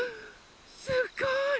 すごい！